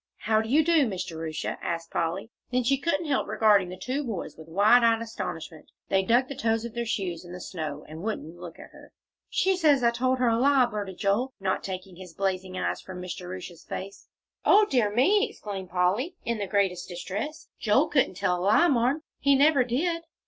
"How do you do, Miss Jerusha?" asked Polly. Then she couldn't help regarding the two boys with wide eyed astonishment; they dug the toes of their shoes in the snow, and wouldn't look at her. "She says I told her a lie," blurted Joel, not taking his blazing eyes from Miss Jerusha's face. "O dear me!" exclaimed Polly, in the greatest distress. "Joel couldn't tell a lie, Marm; he never did."